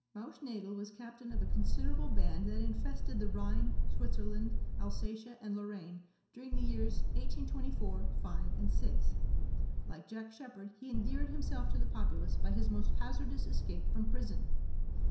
Mausch Nadel was captain of a considerable band that infested the Rhine, Switzerland, Alsatia, and Lorraine, during the years 1824, 5, and 6. Like Jack Sheppard, he endeared himself to the populace by his most hazardous escape from prison.